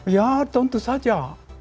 ya tentu saja